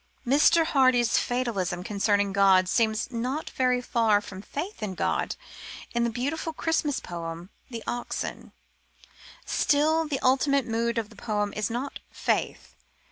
Mr. Hardy's fatalism concerning God seems not very far from faith in God in that beautiful Christmas poem, The Oxen. Still, the ultimate mood of the poems is not faith.